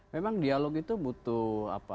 memang dialog itu butuh